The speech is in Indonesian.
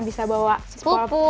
ini bisa bawa sepupu